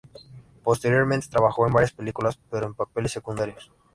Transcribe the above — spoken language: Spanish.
Posteriormente trabajó en varias películas, pero en papeles secundarios.